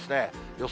予想